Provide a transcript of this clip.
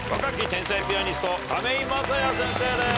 天才ピアニスト亀井聖矢先生です。